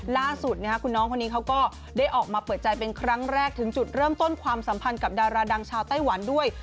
ล่าสุดคุณน้องคนนี้เขาก็ได้ออกมาเปิดใจเป็นครั้งแรกถึงจุดเริ่มต้นความสัมพันธ์กับดาราดังชาวไต้หวันด้วย